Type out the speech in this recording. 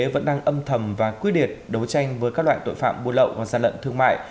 vẫn đang âm thầm và quy địệt đấu tranh với các loại tội phạm bù lậu và gian lận thương mại